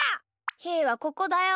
ひーはここだよ。